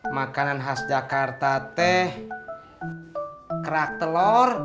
makanan khas jakarta teh kerak telur